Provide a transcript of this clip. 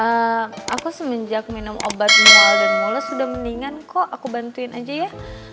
aku semenjak minum obat mual dan mulus sudah mendingan kok aku bantuin aja ya